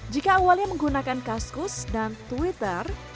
jika awalnya menggunakan kaskus dan twitter